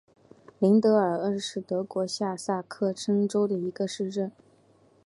林德尔恩是德国下萨克森州的一个市镇。